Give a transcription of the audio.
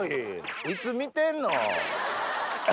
いつ見てんの？